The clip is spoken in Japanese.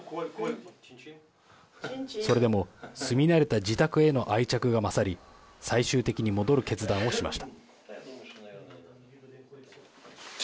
それでも住み慣れた自宅への愛着が勝り最終的に戻る決断をしました。